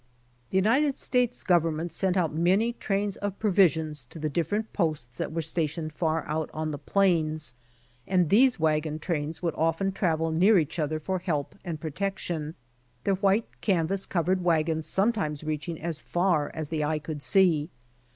The United States government sent out many trains of provisions to the different posts that were stationed far out on the plains, and these wagon trains would often travel near each other for help and protection, their white canvas covered wagons sometimes reaching as far as the eye could see.